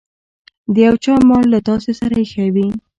د يو چا مال له تاسې سره ايښی وي.